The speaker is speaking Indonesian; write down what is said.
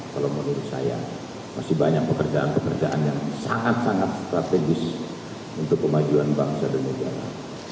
kalau menurut saya masih banyak pekerjaan pekerjaan yang sangat sangat strategis untuk kemajuan bangsa dan negara